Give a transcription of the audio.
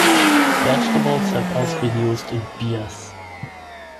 Vegetables have also been used in beers.